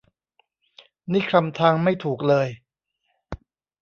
นี่คลำทางไม่ถูกเลย